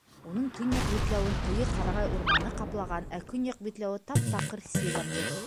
Уның төньяҡ битләүен ҡуйы ҡарағай урманы ҡаплаған, ә көньяҡ битләүе тап-таҡыр сиҙәмлек.